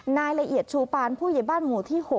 นายละเอียดชูปานผู้ใหญ่บ้านหมู่ที่๖